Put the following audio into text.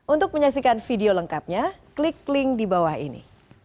untuk menyaksikan video lengkapnya klik link di bawah ini